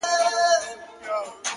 پخوا د كلي په گودر كي جـادو-